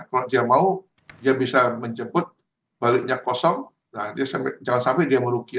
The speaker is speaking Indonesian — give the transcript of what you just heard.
kalau dia mau dia bisa menjemput baliknya kosong jangan sampai dia merugi